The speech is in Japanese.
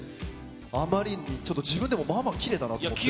あまりに、ちょっと自分でもまあまあ、きれいだなと思って。